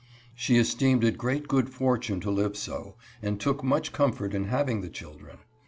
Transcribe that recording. She es teemed it great good fortune to live so, and took much comfort in having the children.